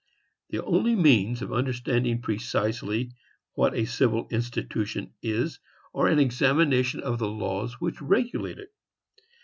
The only means of understanding precisely what a civil institution is are an examination of the laws which regulate it.